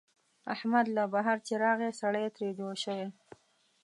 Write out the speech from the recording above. احمد له بهر چې راغی، سړی ترې جوړ شوی.